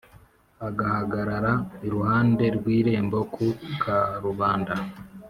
agahagarara iruhande rw’irembo ku karubanda